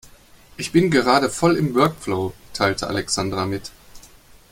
Ich bin gerade voll im Workflow, teilte Alexandra mit.